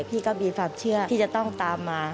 พี่ก็มีความเชื่อที่จะต้องตามมา